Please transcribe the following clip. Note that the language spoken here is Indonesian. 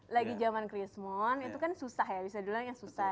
lagi zaman krismon itu kan susah ya bisa dibilang yang susah